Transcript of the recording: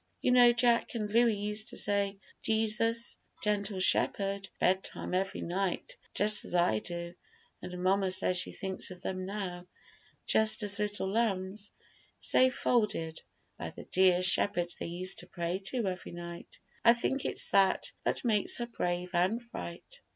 You know, Jack and Louis used to say, 'Jesus, gentle Shepherd.' at bedtime every night, just as I do, and mamma says she thinks of them now, just as little lambs safe folded by the dear Shepherd they used to pray to every night. I think it's that that makes her brave and bright."